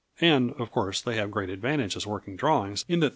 And of course they have great advantage as working drawings in that they can be scaled.